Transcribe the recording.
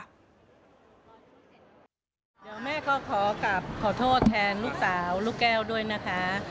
เดี๋ยวแม่ก็ขอกลับขอโทษแทนลูกสาวลูกแก้วด้วยนะคะ